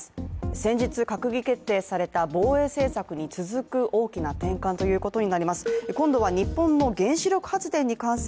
先日閣議決定された防衛政策に続く大きな転換ということになります。